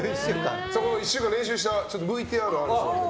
１週間練習したＶＴＲがあるそうです。